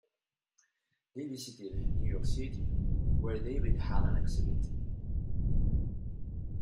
They visited New York City, where David had an exhibit.